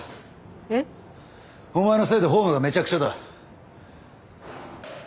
えっ？お前のせいでフォームがめちゃくちゃだ。